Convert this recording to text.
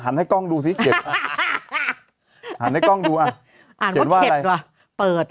อ่ะหันให้กล้องดูสิเห็นหันให้กล้องดูอ่ะอ่านว่าเห็นว่าเปิด